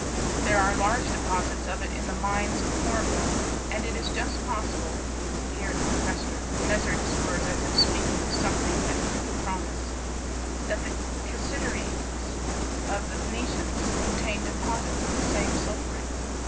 There are large deposits of it in the mines of Cornwall, and it is just possible," here the professor measured his words as if speaking of something that he wouldn't promise, "that the Cassiterides of the Phoenicians contained deposits of the same sulphuret.